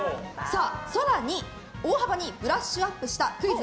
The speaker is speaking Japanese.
更に大幅にブラッシュアップしたクイズ！